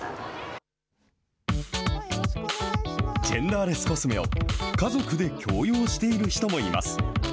ジェンダーレスコスメを、家族で共用している人もいます。